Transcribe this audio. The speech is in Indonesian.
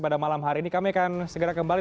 pada malam hari ini kami akan segera kembali